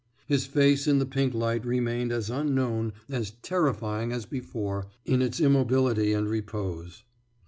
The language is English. His face in the pink light remained as unknown, as terrifying as before, in its immobility and repose.